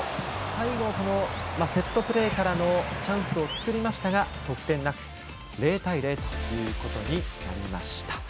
最後にセットプレーからのチャンスを作りましたが得点なく、０対０となりました。